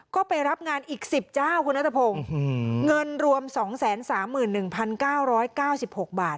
ก็ไปรับงานอีกสิบเจ้าคุณนัตรพงศ์เงินรวมสองแสนสามหมื่นหนึ่งพันเก้าร้อยเก้าสิบหกบาท